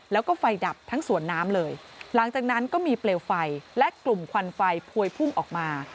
แล้วก็ไฟดับทั้งสวนน้ำเลยหลังจากนั้นก็มีเปลวไฟและกลุ่มควันไฟพวยพุ่งออกมา